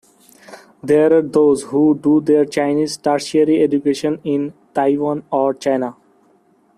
There are those who do their Chinese tertiary education in Taiwan or China.